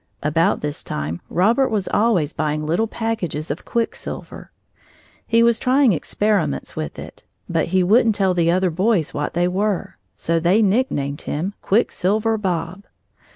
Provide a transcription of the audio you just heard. About this time Robert was always buying little packages of quicksilver. He was trying experiments with it, but he wouldn't tell the other boys what they were. So they nicknamed him "Quicksilver Bob."